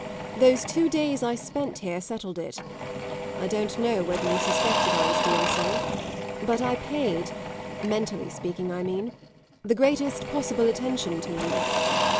Those two days I spent here settled it; I don't know whether you suspected I was doing so, but I paid mentally speaking I mean the greatest possible attention to you.